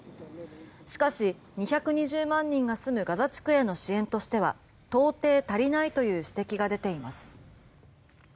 しかし２２０万人が住むガザ地区への支援としては到底足りないという指摘が出ています。